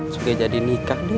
sudah jadi nikah deh